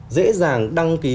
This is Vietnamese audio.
dễ dàng đăng ký